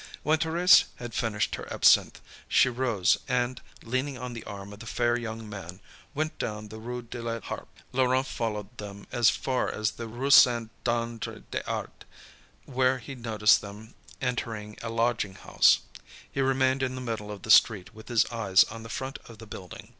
When Thérèse had finished her absinthe, she rose, and leaning on the arm of the fair young man, went down the Rue de la Harpe. Laurent followed them as far as the Rue Saint André des Arts, where he noticed them enter a lodging house. He remained in the middle of the street with his eyes on the front of the building.